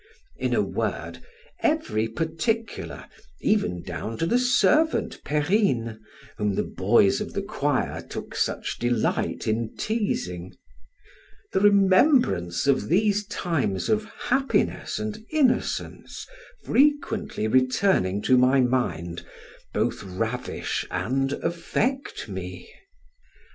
In a word, every particular, even down to the servant Perrine, whom the boys of the choir took such delight in teasing. The remembrance of these times of happiness and innocence frequently returning to my mind, both ravish and affect me.